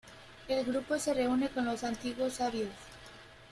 El grupo se reúne con los antiguos sabios.